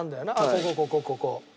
ここここここ。